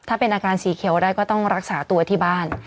ถ้าเป็นอาการสีเขียวได้ก็ต้องรักษาตัวที่บ้าน